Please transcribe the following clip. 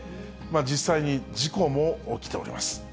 実際に事故も起きております。